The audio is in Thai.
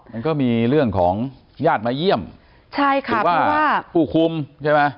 มันก็มีเรื่องของญาติมาเยี่ยมใช่ค่ะหรือว่าผู้คุมใช่ไหม